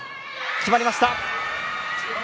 決まりました。